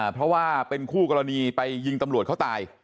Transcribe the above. เพราะว่าเป็นคู่กรณีไปยิงตำรวจเขาตาย